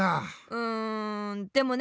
うんでもね